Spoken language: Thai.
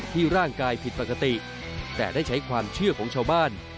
ร่างกายผิดปกติแต่ได้ใช้ความเชื่อของชาวบ้าน